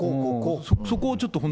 そこをちょっと。